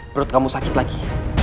perut kamu sakit lagi